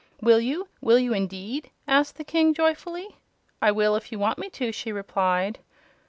"Will you? Will you, indeed?" asked the King, joyfully. "I will if you want me to," she replied.